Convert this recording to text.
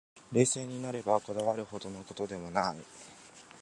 冷静になれば、こだわるほどの事でもない